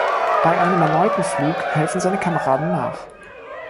Bei einem erneuten Flug helfen seine Kameraden nach.